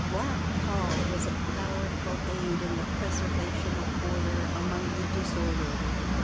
Black Paul was a powerful aid in the preservation of order among the disorderly.